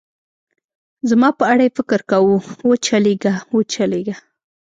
زما په اړه یې فکر کاوه، و چلېږه، و چلېږه.